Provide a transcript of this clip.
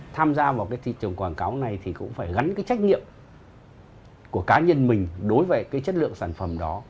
tham gia vào thị trường quảng cáo này thì cũng phải gắn trách nhiệm của cá nhân mình đối với chất lượng sản phẩm đó